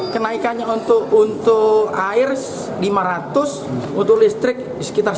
kenaikannya untuk air lima ratus untuk listrik sekitar sembilan ratus an